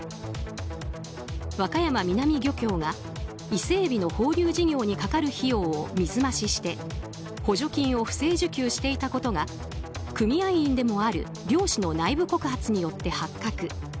和歌山南漁協が伊勢エビの放流事業にかかる費用を水増しして補助金を不正受給していたことが組合員でもある漁師の内部告発によって発覚。